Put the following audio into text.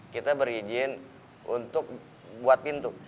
kita berizin untuk buat pintu